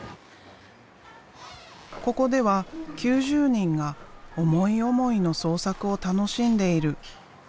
ここでは９０人が思い思いの創作を楽しんでいる。